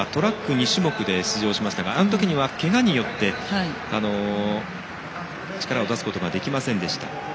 ２種目で出場しましたがあの時にはけがによって、力を出すことができませんでした。